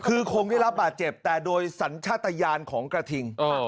คือคงได้รับบาดเจ็บแต่โดยสัญชาติยานของกระทิง